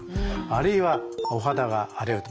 あるいはお肌が荒れると。